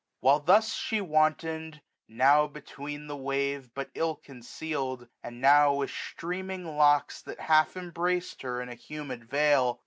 While thus she wanton'd, now beneath the wave But ill conceal'd ; and now with streaming locks. That half embrac'd her in a humid veil.